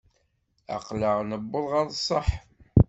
Aql-aɣ newweḍ ɣer ṣṣeḥ.